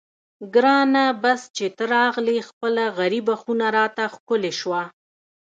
ګرانه بس چې ته راغلې خپله غریبه خونه راته ښکلې شوه.